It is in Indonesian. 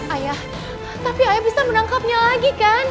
ayah tapi ayah bisa menangkapnya lagi kan